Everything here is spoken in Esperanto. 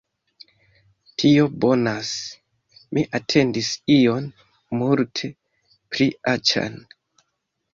Tio bonas. Mi atendis ion multe pli aĉan